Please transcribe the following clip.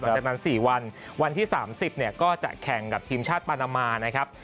จากนั้น๔วันวันที่๓๐เนี่ยก็จะแข่งกับทีมชาติปานามานะครับ